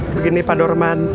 begini pak dorman